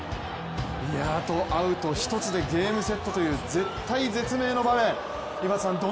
あとアウト１つでゲームセットという絶体絶命の場面、井端さん